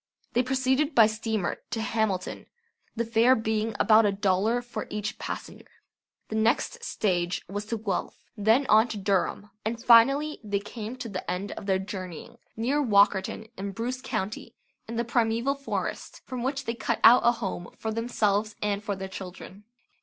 They proceeded by steamer to Hamilton, the fare being about a dollar for each passenger. The next stage was to Guelph; then on to Durham, and finally they came to the end of their journeying near Walkerton in Bruce County in the primeval forest, from which they cut out a home for themselves and for their children.